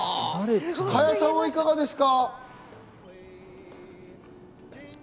鹿屋さんはいかがですか？